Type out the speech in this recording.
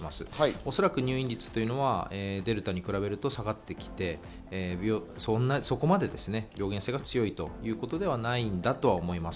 おそらく入院率というのは、デルタに比べると下がってきて、そこまで病原性が強いということではないんだと思います。